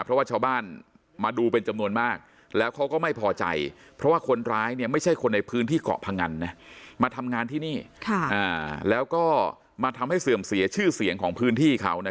เพราะว่าชาวบ้านมาดูเป็นจำนวนมากแล้วเขาก็ไม่พอใจ